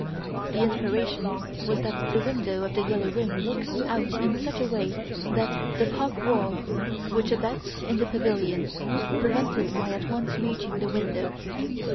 "'The inspiration was that the window of "The Yellow Room" looks out in such a way that the park wall, which abuts on the pavilion, prevented my at once reaching the window.